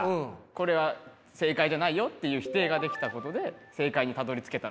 これは正解じゃないよっていう否定ができたことで正解にたどりつけたのかなって。